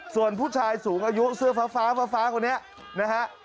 ส่วนผู้ชายสูงอายุเสื้อฟ้าฟ้าคนนี้นะฮะ